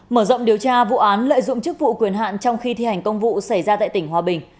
mở rộng điều tra vụ án lợi dụng chức vụ quyền hạn trong khi thi hành công vụ xảy ra tại tỉnh hòa bình